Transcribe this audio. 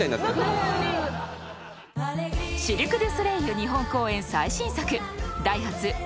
［シルク・ドゥ・ソレイユ日本公演最新作］